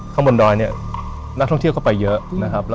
เข้าบนดนักทั้งเที่ยวเข้าไปเยอะ